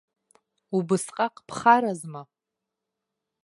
Убысҟак бхаразма.